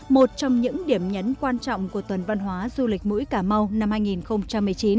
một trong những điểm nhấn quan trọng của tuần văn hóa du lịch mũi cà mau năm hai nghìn một mươi chín